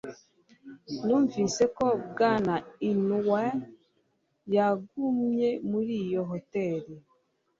Numvise ko Bwana Inoue yagumye muri iyo hoteri.